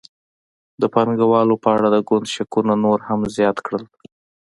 د پانګوالو په اړه د ګوند شکونه نور هم زیات کړل.